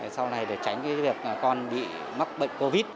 sau này để tránh việc con bị mắc bệnh covid